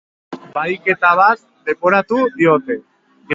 Bahiketa bat leporatu diote.